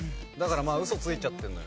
ウソついちゃってんのよ。